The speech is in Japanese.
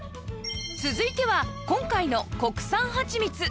続いては今回の国産はちみつ